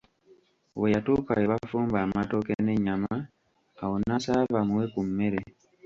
Bwe yatuuka we bafumba amatooke n'ennyama, awo n'asaba bamuwe ku mmere.